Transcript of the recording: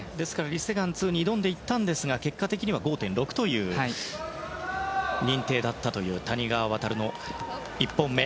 リ・セグァン２に挑んでいったんですが結果的には５．６という認定だった谷川航の１本目。